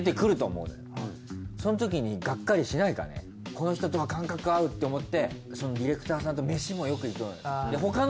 この人とは感覚合うって思ってそのディレクターさんと飯もよく行くようになったの。